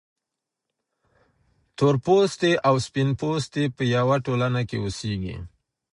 تورپوستي او سپین پوستي په یوه ټولنه کې اوسیږي.